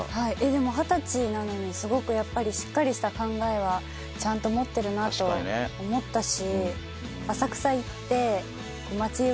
でも二十歳なのにすごくやっぱりしっかりした考えはちゃんと持ってるなと思ったし。